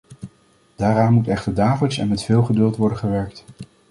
Daaraan moet echter dagelijks en met veel geduld worden gewerkt.